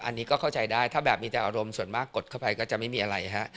อันนี้ก็เข้าใจได้ถ้าแบบมีแต่อารมณ์ส่วนมากกดเข้าไปก็จะไม่มีอะไรฮะ